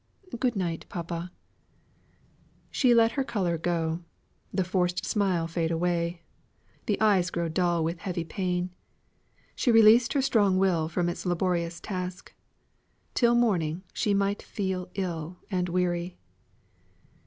"Good night, papa!" She let her colour go the false smile fade away the eyes grow dull with heavy pain. She released her strong will from its laborious task. Till morning she might feel ill and weary.